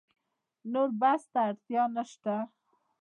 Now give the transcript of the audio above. نور بحث ته اړتیا نشته.